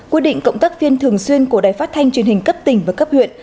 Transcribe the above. quy định cộng tác viên thường xuyên của đài phát thanh truyền hình cấp tỉnh và cấp huyện